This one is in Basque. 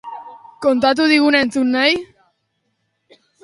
Kontatu diguna entzun nahi?